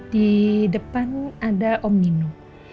di depan ada om nino